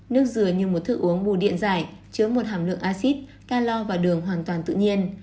nước dừa như một thức uống bù điện dài chứa một hàm lượng acid calor và đường hoàn toàn tự nhiên